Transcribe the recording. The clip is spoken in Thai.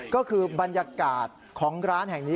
ก็คือบรรยากาศของร้านแห่งนี้